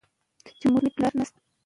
زموږ کلی د ښار تر ټولو کلیو ډېر شین دی.